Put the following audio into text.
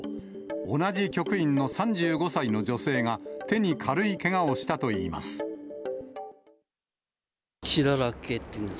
同じ局員の３５歳の女性が、手に軽いけがをしたといいます。